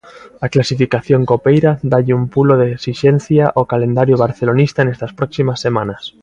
A clasificación copeira dálle un pulo de esixencia ao calendario barcelonista nestas próximas semanas.